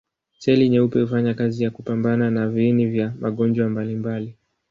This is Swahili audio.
Seli nyeupe hufanya kazi ya kupambana na viini vya magonjwa mbalimbali.